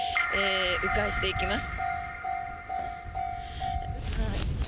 迂回していきます。